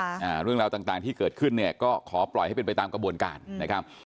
อ่าเรื่องราวต่างต่างที่เกิดขึ้นเนี่ยก็ขอปล่อยให้เป็นไปตามกระบวนการนะครับ